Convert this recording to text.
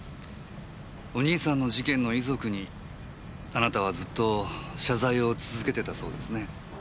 お兄さんの事件の遺族にあなたはずっと謝罪を続けてたそうですね。